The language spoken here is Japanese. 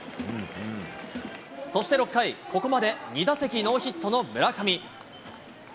そして６回、ここまで２打席ノーヒットの村上。